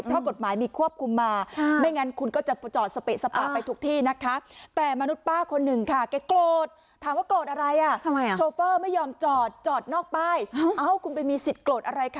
แปลว่าผิดกฎหมาย